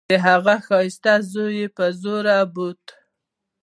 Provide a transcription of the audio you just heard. د هغه ښايسته زوى يې په زوره بوت.